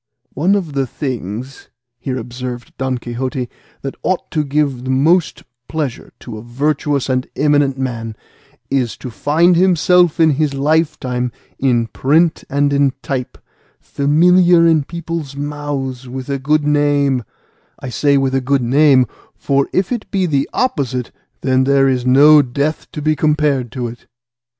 "One of the things," here observed Don Quixote, "that ought to give most pleasure to a virtuous and eminent man is to find himself in his lifetime in print and in type, familiar in people's mouths with a good name; I say with a good name, for if it be the opposite, then there is no death to be compared to it."